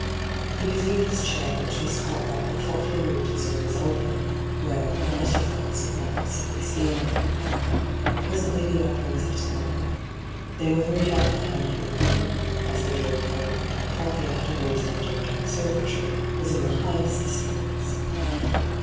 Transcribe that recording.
He resumed his chair, which Miss Cartwright had thought folly moved to Zoe's elbow, where ' the butterflies * could not possibly see him. Presently the opera was at an end. They were hurried out by Andrew, who, ae they drove home and had coffee afterwards in the domed conservatory, was in the hi^est spiritB.